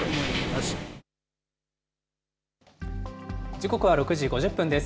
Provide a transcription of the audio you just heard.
時刻は６時５０分です。